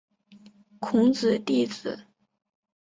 孔子弟子。